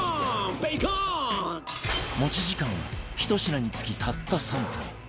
持ち時間は１品につきたった３分